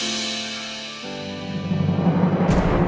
bella kamu dimana bella